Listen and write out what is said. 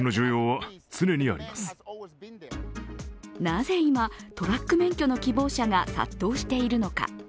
なぜ今、トラック免許の希望者が殺到しているのか。